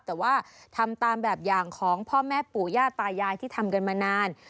แต่ว่าทำตามแบบอย่างของพ่อแม่ปู่ย่าตายายที่ทำกันมานาน